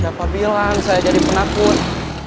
dapat bilang saya jadi penakut